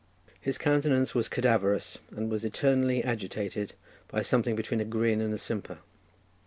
His countenance was cadaverous, and was eternally agitated, by something between a grin and a simper.